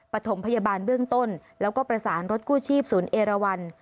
ปฐมพยาบาลเบื้องต้นแล้วก็ประสานรถกู้ชีพศูนย์เอราวัน